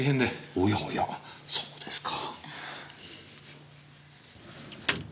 おやおやそうですか。